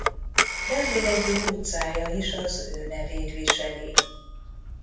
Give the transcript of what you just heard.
Berlin egyik utcája is az ő nevét viseli.